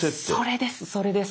それですそれです。